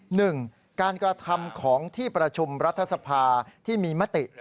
หนึ่งการกระทำของที่ประชุมรัฐสภาที่มีมติ